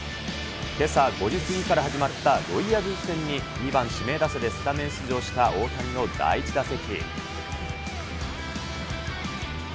けさ５時過ぎから始まったロイヤルズ戦に、２番指名打者でスタメン出場した大谷の第１打席。